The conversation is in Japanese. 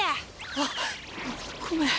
あごごめん。